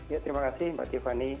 ya terima kasih mbak tiffany